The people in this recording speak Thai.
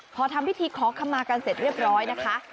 พอทำพิธีขอคำมากันเสร็จเรียบร้อยนะคะ